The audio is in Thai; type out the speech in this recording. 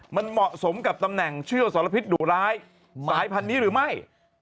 มันเหมาะสมกับตำแหน่งเชื่อสรพิษดุร้ายสายพันธุ์นี้หรือไม่